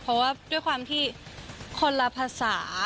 เพราะว่าด้วยความที่คนละภาษา